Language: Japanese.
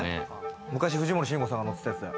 昔、藤森慎吾さんが乗ってたやつだよ。